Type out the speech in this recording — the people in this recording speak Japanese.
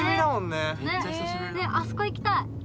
ねえあそこ行きたい！